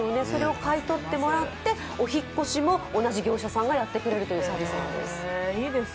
それを買い取ってもらって、お引っ越しも同じ業者さんがやってくれるというサービスなんです。